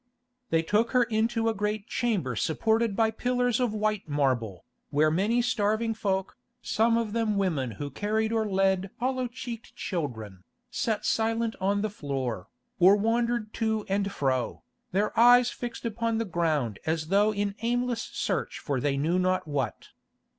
They took her into a great chamber supported by pillars of white marble, where many starving folk, some of them women who carried or led hollow cheeked children, sat silent on the floor, or wandered to and fro, their eyes fixed upon the ground as though in aimless search for they knew not what.